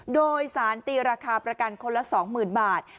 โดยสารตีราคาประกันคนละ๒๐๐๐บาท